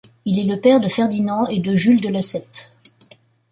Il est le père de Ferdinand et de Jules de Lesseps.